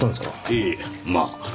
ええまあ。